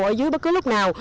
ở dưới bất cứ lúc nào